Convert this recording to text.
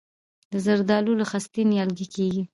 د زردالو له خستې نیالګی کیږي؟